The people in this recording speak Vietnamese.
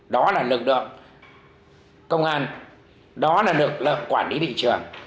đó là lực lượng công an đó là lực lượng quản lý thị trường